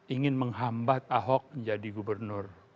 ingin menghambat ahok menjadi gubernur